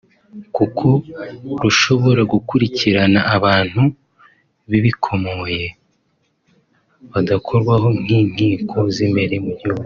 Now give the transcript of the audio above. kuko rushobora gukurikirana abantu b’ibikomerezwa badakorwaho n’inkiko z’imbere mu gihugu